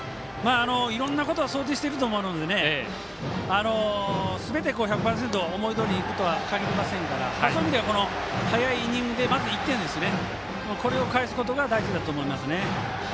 いろんなことを想定していると思うのですべて、１００％思いどおりにいくとはかぎりませんから早いイニングで、まず１点これを返すことが大事だと思いますね。